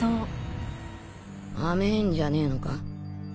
甘えんじゃねえのか。